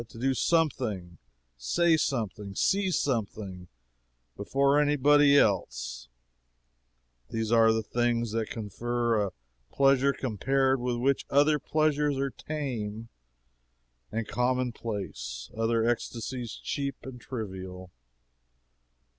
To do something, say something, see something, before any body else these are the things that confer a pleasure compared with which other pleasures are tame and commonplace, other ecstasies cheap and trivial.